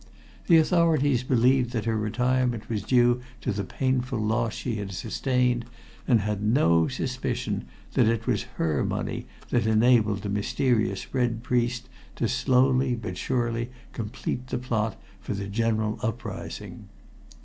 The authorities believed that her retirement was due to the painful loss she had sustained, and had no suspicion that it was her money that enabled the mysterious "Red Priest" to slowly but surely complete the plot for the general uprising.